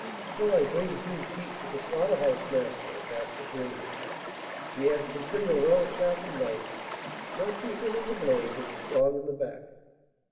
"Shall I bring two sheep to the slaughter house, master?" asked the journeyman. "Yes; and bring a well sharpened knife, not too thin in the blade, and strong in the back."